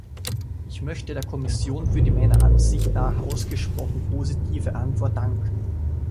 Ich möchte der Kommission für die meiner Ansicht nach ausgesprochen positive Antwort danken.